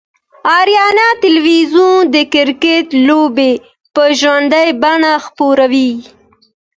آریانا تلویزیون دکرکټ لوبې به ژوندۍ بڼه خپروي